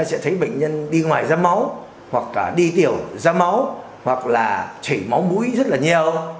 sẽ thấy bệnh nhân đi ngoài da máu hoặc đi tiểu da máu hoặc là chảy máu mũi rất là nhiều